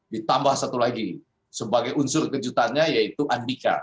ditambah satu lagi sebagai unsur kejutannya yaitu andika